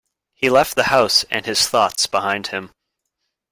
He left the house and his thoughts behind him.